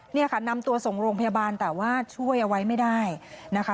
เนี่ยค่ะนำตัวส่งโรงพยาบาลแต่ว่าช่วยเอาไว้ไม่ได้นะคะ